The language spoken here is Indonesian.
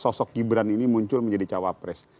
sosok gibran ini muncul menjadi cawapres